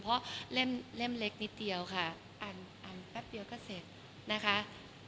เพราะเล่มเล็กนิดเดียวค่ะอันแป๊บเดียวก็เสร็จนะคะ